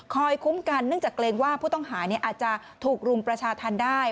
คอยคุ้มกันนึกจากเกรงว่าผู้ต้องหาเนี่ยอาจจะถูกรุงประชาธิ์ทันได้